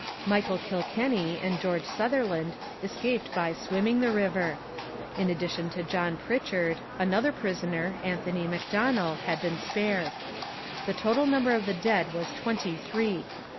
Michael Kilkenny and George Sutherland escaped by swimming the river. In addition to John Pritchard, another prisoner, Anthony Macdonell, had been spared. The total number of the dead was twenty three.